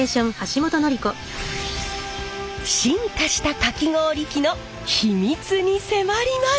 進化したかき氷機の秘密に迫ります！